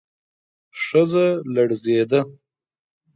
ښځه لړزېده.